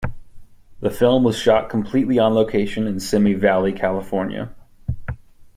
The film was shot completely on location in Simi Valley, California.